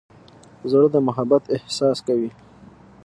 زړه د محبت احساس کوي.